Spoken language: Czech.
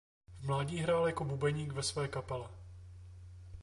V mládí hrál jako bubeník ve své kapele.